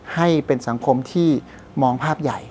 ให้เป็นสังคมที่มองภาพใหญ่